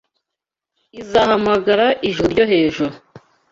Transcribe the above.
Izahamagara ijuru ryo hejuru